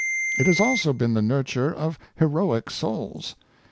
It has also been the nurture of heroic souls.